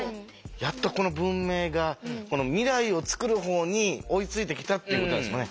やっとこの文明が未来を作る方に追いついてきたっていうことなんですかね。